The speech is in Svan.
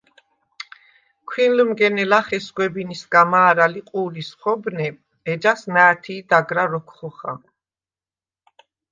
ქვინლჷმგენე ლახე სგვებინისგა მა̄რა ლიყუ̄ლის ხობნე, ეჯას ნა̄̈თი̄ დაგრა როქვ ხოხა.